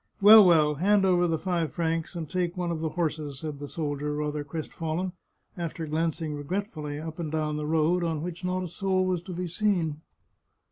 " Well, well ! hand over the five francs, and take one of the horses," said the soldier, rather crestfallen, after glancing regretfully up and down the road, on which not a soul was to be seen.